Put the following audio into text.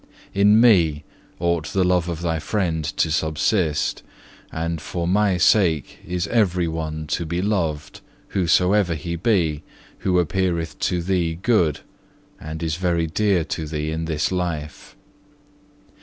In Me ought the love of thy friend to subsist, and for My sake is every one to be loved, whosoever he be, who appeareth to thee good, and is very dear to thee in this life.